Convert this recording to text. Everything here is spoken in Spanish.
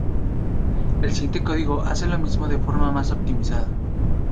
El siguiente código hace lo mismo de forma más optimizada.